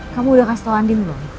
kamu udah kasih tau andi belum